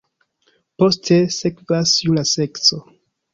Poste sekvas jura sekco.